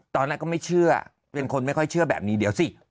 ตอนนั้นก็ไม่เชื่อเป็นคนไม่ค่อยเชื่อแบบนี้เดี๋ยวสิ